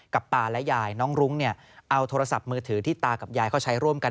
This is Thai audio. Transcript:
ตาและยายน้องรุ้งเนี่ยเอาโทรศัพท์มือถือที่ตากับยายเขาใช้ร่วมกัน